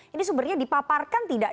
ini sumbernya dipaparkan tidak